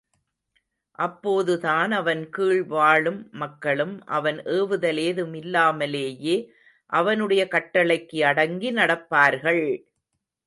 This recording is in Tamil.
அப்போதுதான் அவன் கீழ் வாழும் மக்களும் அவன் ஏவுதல் ஏதும் இல்லாமலேயே அவனுடைய கட்டளைக்கு அடங்கி நடப்பார்கள்!